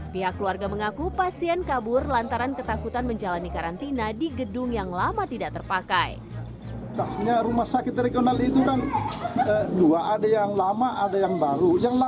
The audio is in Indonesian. pihak warga mengaku pasien covid sembilan belas tidak bisa dihubungi dengan pasien positif covid sembilan belas lainnya